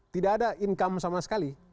tidak ada income sama sekali